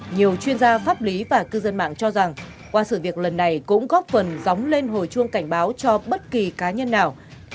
nhiều chuyên gia pháp lý và cư dân mạng cho rằng qua sự việc lần này cũng góp phần dóng lên hồi chuông cảnh báo cho bất kỳ cá nhân nào